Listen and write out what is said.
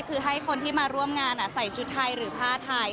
คือให้คนที่มาร่วมงานใส่ชุดไทยหรือผ้าไทย